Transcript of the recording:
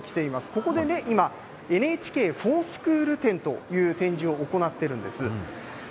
ここでね、今、ＮＨＫｆｏｒＳｃｈｏｏｌ展という展示を行っているんです。